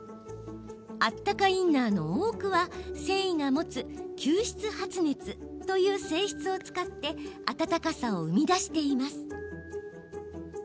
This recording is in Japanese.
あったかインナーの多くは繊維が持つ吸湿発熱という性質を使ってあたたかさを生み出しています。